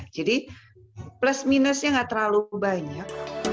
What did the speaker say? jadi plus minusnya nggak terlalu banyak